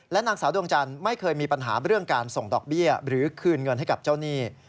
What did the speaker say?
นางสาวดวงจันทร์ไม่เคยมีปัญหาเรื่องการส่งดอกเบี้ยหรือคืนเงินให้กับเจ้าหนี้